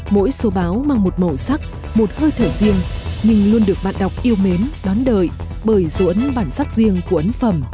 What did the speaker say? mỗi số báo mang một màu sắc một hơi thở riêng mình luôn được bạn đọc yêu mến đón đợi bởi dấu ấn bản sắc riêng của ấn phẩm